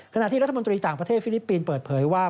ขณะที่รัฐมนตรีต่างประเทศฟิลิปปินส์เปิดเผยว่า